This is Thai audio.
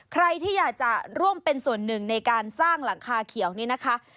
ใครที่อยากจะร่วมเป็นส่วนหนึ่งในการสร้างหลังคาเขียวนี้นะคะ